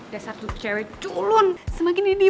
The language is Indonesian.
dari kat dist mutual are removing right